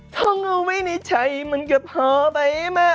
ทั้งเอาไว้ในชัยเหมือนเกือบเผาไปมา